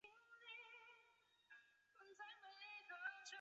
他的名字引用自回溯法。